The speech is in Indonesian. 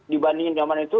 dibandingin zaman itu